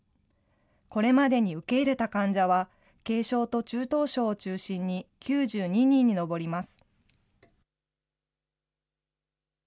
これまでに受け入れた患者は、軽症と中等症を中心に９２人に上ります。